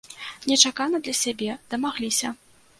Нечакана для сябе, дамагліся.